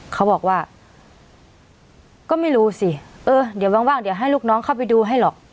เขาบอกว่าก็ไม่รู้สิเออเดี๋ยวว่างเดี๋ยวให้ลูกน้องเข้าไปดูให้หรอก